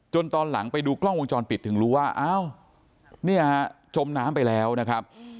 ตอนหลังไปดูกล้องวงจรปิดถึงรู้ว่าอ้าวเนี่ยฮะจมน้ำไปแล้วนะครับ